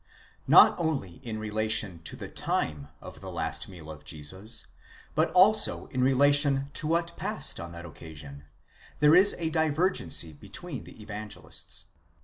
Not only in relation to the time of the last meal of Jesus, but also in re lation to what passed on that occasion, there is a divergency between the Evangelists.